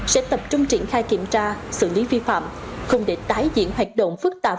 sẽ tập trung triển khai kiểm tra xử lý vi phạm không để tái diễn hoạt động phức tạp